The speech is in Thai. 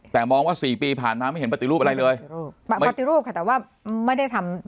แต่มองว่าสี่ปีผ่านมาไม่เห็นปฏิรูปอะไรเลยรูปปฏิรูปค่ะแต่ว่าไม่ได้ทำ